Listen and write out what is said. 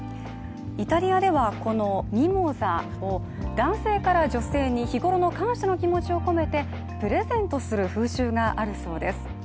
イタリアではこのミモザを男性から女性に日ごろの感謝の気持ちを込めてプレゼントする風習があるそうです。